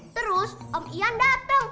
terus om ian dateng